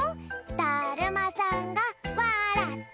だるまさんがわらった！